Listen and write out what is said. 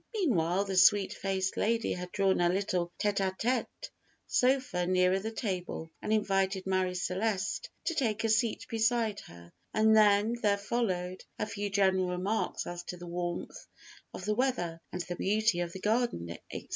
Meanwhile, the sweet faced lady had drawn a little tête a tète sofa nearer the table, and invited Marie Celeste to take a seat beside her, and then there followed a few general remarks as to the warmth of the weather and the beauty of the garden, etc.